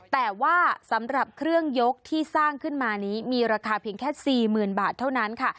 แต่ว่าสำหรับเครื่องยกที่สร้างขึ้นมานี้มีราคาเพียงแค่๔๐๐๐บาทเท่านั้นค่ะ